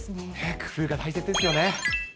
工夫が大切ですよね。